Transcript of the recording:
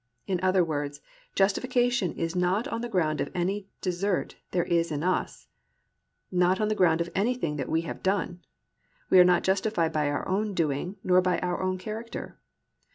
In other words, justification is not on the ground of any desert there is in us, not on the ground of anything that we have done, we are not justified by our own doing nor by our own character.